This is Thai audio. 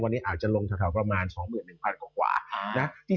วันนี้อาจจะลงประมาณ๒๑๐๐๐บาทกว่า